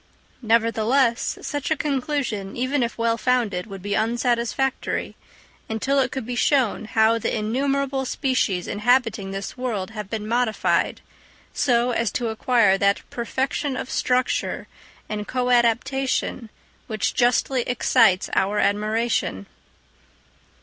Nevertheless, such a conclusion, even if well founded, would be unsatisfactory, until it could be shown how the innumerable species, inhabiting this world have been modified, so as to acquire that perfection of structure and coadaptation which justly excites our admiration.